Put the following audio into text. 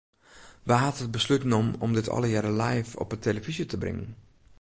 Wa hat it beslút nommen om dit allegearre live op 'e telefyzje te bringen?